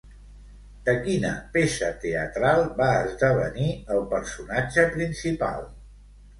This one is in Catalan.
De quina peça teatral va esdevenir el personatge principal?